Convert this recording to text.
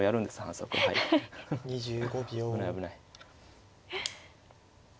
危ない危ない。